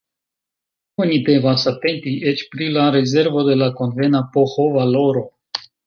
Oni devas atenti eĉ pri la rezervo de la konvena pH-valoro.